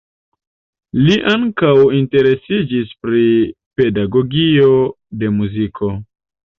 Li ankaŭ interesiĝis pri pedagogio de muziko.